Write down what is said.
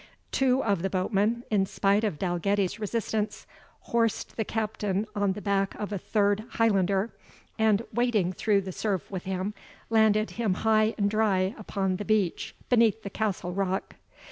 Two of the boatmen, in spite of Dalgetty's resistance, horsed the Captain on the back of a third Highlander, and, wading through the surf with him, landed him high and dry upon the beach beneath the castle rock.